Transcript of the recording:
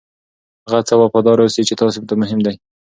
هغه څه ته وفادار اوسئ چې تاسې ته مهم دي.